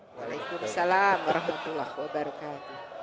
waalaikumsalam warahmatullahi wabarakatuh